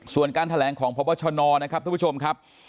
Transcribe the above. ส่วนการแถลงของพบชนนะครับท่านผู้ชมครับ